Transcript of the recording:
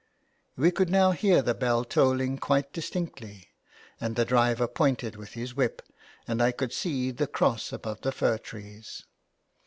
We could now hear the bell tolling quite distinctly, and the driver pointed with his whip, and I could see the cross above the fir trees.